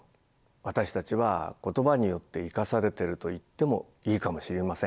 私たちは言葉によって生かされてると言ってもいいかもしれません。